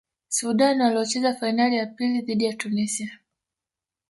sudan waliocheza fainali ya pili dhidi ya tunisia